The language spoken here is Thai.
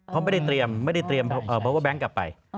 เพราะไม่ได้เตรียมเพราะว่าแบงกกลับไป